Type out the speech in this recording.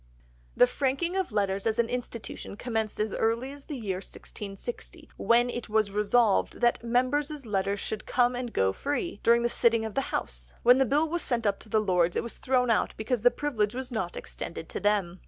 "The franking of letters as an institution commenced as early as the year 1660, when it was resolved that members' letters should come and go free, during the sitting of the House. When the Bill was sent up to the Lords, it was thrown out because the privilege was not extended to them.